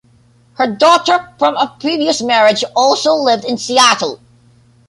Her daughter from a previous marriage also lived in Seattle.